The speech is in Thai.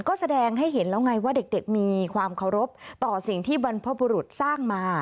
ก็แสดงให้เห็นแล้วไงว่าเด็กมีความเคารพต่อสิ่งที่บรรพบุรุษสร้างมา